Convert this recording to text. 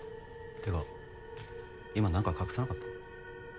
てか今何か隠さなかった？